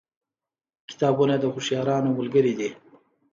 کتابونه د هوښیارانو ملګري دي.